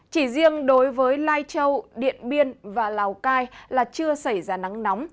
chỉ riêng đối với lai châu điện biên và lào cai là chưa xảy ra nắng nóng